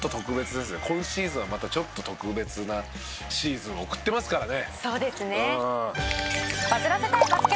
今シーズンはまたちょっと特別なシーズンを送ってますからね。